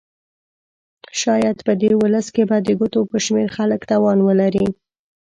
شاید په دې ولس کې به د ګوتو په شمېر خلک توان ولري.